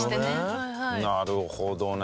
なるほどね。